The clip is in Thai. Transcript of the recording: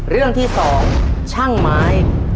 เรื่องที่๒ช่างไม้